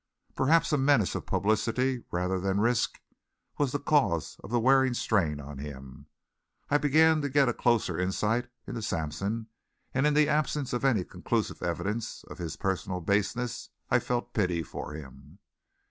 Perhaps a menace of publicity, rather than risk, was the cause of the wearing strain on him. I began to get a closer insight into Sampson, and in the absence of any conclusive evidence of his personal baseness I felt pity for him.